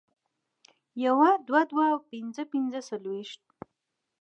يو دوه دوه او پنځه پنځه پنځویشت